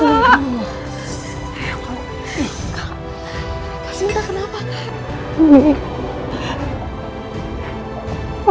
kak sinta kenapa